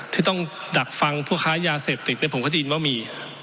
ที่ต้องดักฟังผู้ค้ายาเสพติดผมก็ได้ยินว่ามี